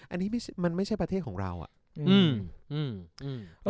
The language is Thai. อันนี้มันไม่ใช่ประเทศของเราอ่ะ